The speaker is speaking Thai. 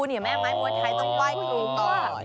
ไอ้ไพรถ์มวยไทยต้องไว้ครูก่อน